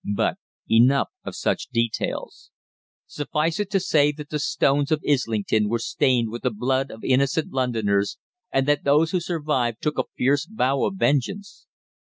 But enough of such details. Suffice it to say that the stones of Islington were stained with the blood of innocent Londoners, and that those who survived took a fierce vow of vengeance.